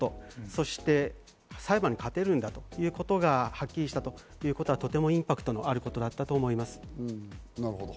そして、裁判に勝てるんだということがはっきりしたということはとてもインパクトのあることだったと思います。